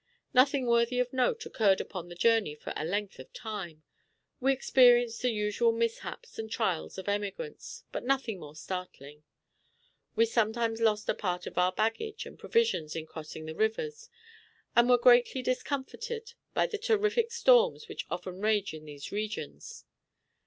Nothing worthy of note occurred upon the journey for a length of time. We experienced the usual mishaps and trials of emigrants, but nothing more startling. We sometimes lost a part of our baggage and provisions in crossing the rivers, and were greatly discomforted by the terrific storms which often rage in these regions.